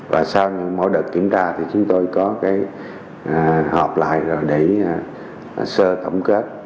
và sau mỗi đợt kiểm tra thì chúng tôi có cái hợp lại để sơ tổng kết